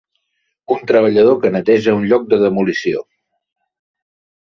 Un treballador que neteja a un lloc de demolició.